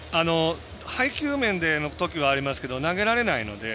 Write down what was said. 配球面での時はありますが投げられないので。